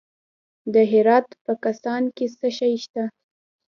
د هرات په کهسان کې څه شی شته؟